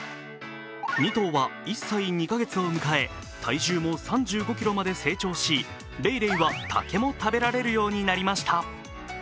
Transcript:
２頭は１歳２か月を迎え体重も３５ｋｇまで成長しレイレイは竹も食べられるようになりました。